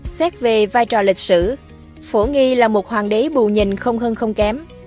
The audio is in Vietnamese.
xét về vai trò lịch sử phổ nghi là một hoàng đế bù nhìn không hơn không kém